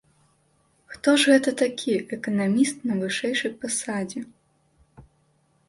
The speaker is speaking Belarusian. Хто ж гэта такі, эканаміст на вышэйшай пасадзе?